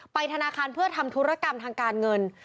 ธนาคารเพื่อทำธุรกรรมทางการเงิน